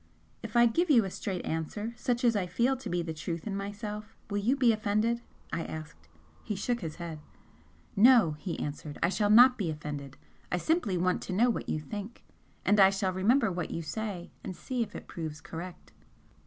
"If I give you a straight answer, such as I feel to be the truth in myself, will you be offended?" I asked. He shook his head. "No" he answered "I shall not be offended. I simply want to know what you think, and I shall remember what you say and see if it proves correct."